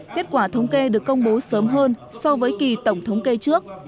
kết quả thống kê được công bố sớm hơn so với kỳ tổng thống kê trước